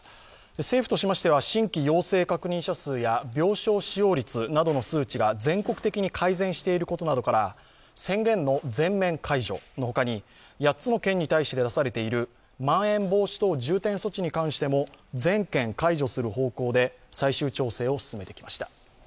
政府としましては新規陽性確認者数や病床使用率などの数値が全国的に改善していることなどから宣言の全面解除のほかに８つの県に対して出されているまん延防止等重点措置に関しても全県解除する方向で最終調整を進めてきました。